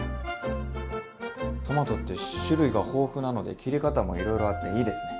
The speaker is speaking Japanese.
トマトって種類が豊富なので切り方もいろいろあっていいですね。